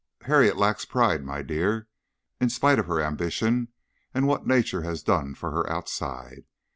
"Harriet lacks pride, my dear, in spite of her ambition and what Nature has done for her outside.